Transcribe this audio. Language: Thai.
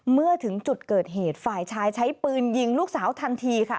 เมื่อถึงจุดเกิดเหตุฝ่ายชายใช้ปืนยิงลูกสาวทันทีค่ะ